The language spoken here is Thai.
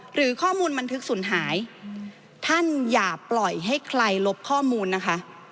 หรือข้อมูลบันทึกสูญหายท่านอย่าปล่อยให้ใครลบข้อมูลนะคะ